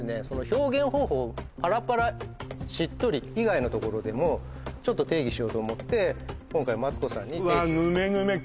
その表現方法パラパラしっとり以外のところでもちょっと定義しよう思って今回マツコさんにうわっ！